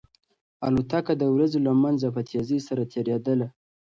الوتکه د وريځو له منځه په تېزۍ سره تېرېدله.